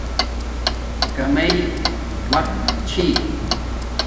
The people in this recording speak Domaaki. کاماݵ وقت چھی